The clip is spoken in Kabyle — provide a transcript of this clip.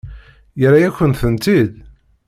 Yerra-yakent-tent-id?